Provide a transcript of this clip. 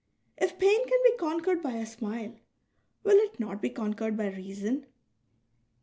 If pain can be conquered by a smile, will it not be conquered by reason ?